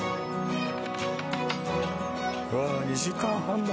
うわあ２時間半も。